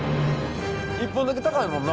１本だけ高いもんな。